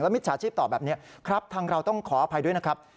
มิจฉาชีพตอบแบบนี้ครับทางเราต้องขออภัยด้วยนะครับ